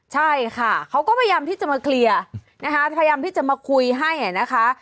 ใช่ค่ะเขาก็พยายามที่จะมาเคลียร์นะคะพยายามที่จะมาคุยให้นะคะ